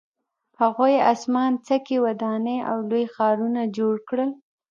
هغوی اسمان څکې ودانۍ او لوی ښارونه جوړ کړل